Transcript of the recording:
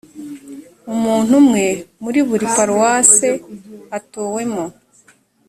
umuntu umwe muri buri paruwase atowemo